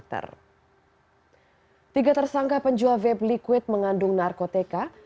tiga tersangka penjual vape liquid mengandung narkotika